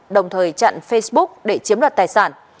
đồng thời chặn facebook để chiếm đoạt tài sản